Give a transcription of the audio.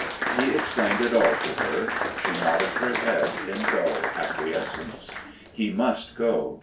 He explained it all to her. She nodded her head in dull acquiescence. He must go.